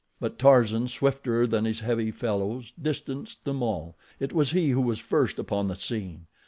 But Tarzan, swifter than his heavy fellows, distanced them all. It was he who was first upon the scene.